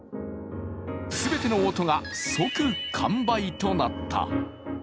全ての音が即完売となった。